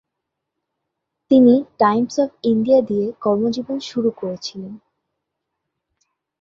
তিনি "Times of India" দিয়ে কর্মজীবন শুরু করেছিলেন।